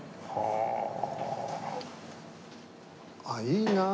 ああいいなあ。